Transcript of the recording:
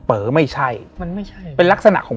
เพื่อที่จะให้แก้วเนี่ยหลอกลวงเค